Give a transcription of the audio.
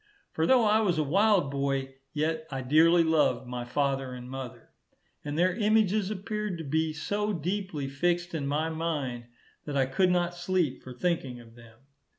For though I was a wild boy, yet I dearly loved my father and mother, and their images appeared to be so deeply fixed in my mind, that I could not sleep for thinking of them.